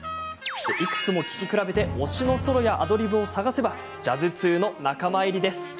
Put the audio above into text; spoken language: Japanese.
いくつも聴き比べて推しのソロやアドリブを探せばジャズ通の仲間入りです。